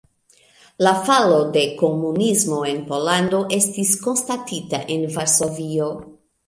La falo de komunismo en Pollando estis konstatita en Varsovio.